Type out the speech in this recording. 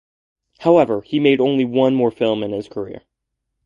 However, he made only one more film in his career.